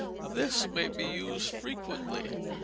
This may be used frequently.